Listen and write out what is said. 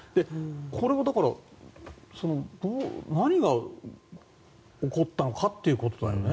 これがだから、何が起こったのかということだよね。